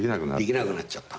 できなくなっちゃった。